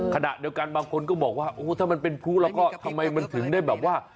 ขณะเดียวกันบางคนก็บอกว่าโอ้ถ้ามันเป็นพลุแล้วก็ทำไมมันถึงได้แบบว่า